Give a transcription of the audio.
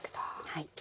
はい。